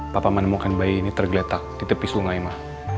papa menemukan bayi ini tergeletak di tepi sungai mah